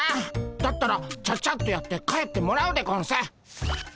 だったらちゃちゃっとやって帰ってもらうでゴンス。